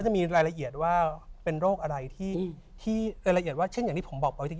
มีรายละเอียดว่าเป็นโรคอะไรรายละเอียดว่าเช่นอย่างที่ผมบอก